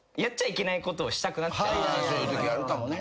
そういうときあるかもね。